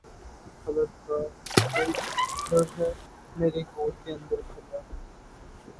خلد کا اک در ہے میری گور کے اندر کھلا